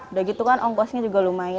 udah gitu kan ongkosnya juga lumayan